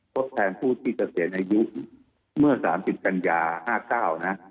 กฏแทนหูติเจริญอายุเมื่อ๓๐กันยา๕๙นะ